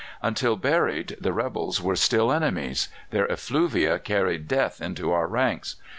Until buried the rebels were still enemies: their effluvia carried death into our ranks.